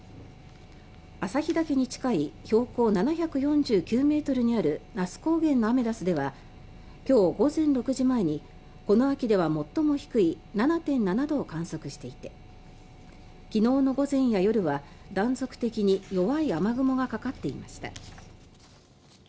朝日岳に近い標高７４９ｍにある那須高原のアメダスでは今日午前６時前にこの秋では最も低い７．７度を観測していて昨日の午前や夜は断続的に弱い雨雲がかかっていました。